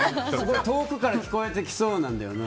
遠くから聞こえてきそうなんだよ。